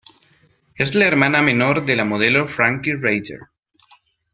Es la hermana menor de la modelo Frankie Rayder.